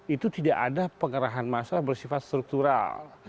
itu tidak ada pengerahan masa bersifat struktural